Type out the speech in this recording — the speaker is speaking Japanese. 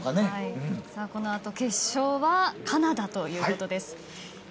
このあと、決勝はカナダということです。